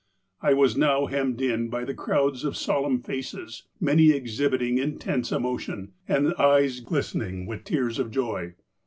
"I was now hemmed in by the crowds of solemn faces, many exhibiting intense emotion, and eyes glistening with tears of joy.